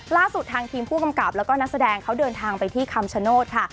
ล่าสุดทางทีมผู้กำกับแล้วก็นักแสดงเขาเดินทางไปที่คำชโนธค่ะ